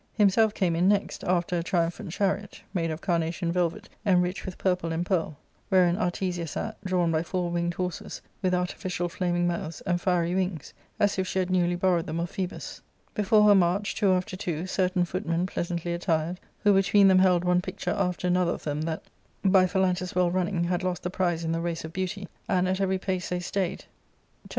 Himself came in next, after a triumphant chariot, made of carnation velvet enriched with purple and p^ari^ ^^hgrein Artesia sjit, drawn by four winged horses, with artificial flaming mouths and I fiery wings, as i£ she had newly borrowed them of Phtebus. I Before her marched, two after twoj certain footmen pleasantly ' attired, who between them held one picture after another of them that, by Phalantus' well running, had lost the prize in the race of beauty, and, at every pace they stayed, turned G 82 ARCADJA.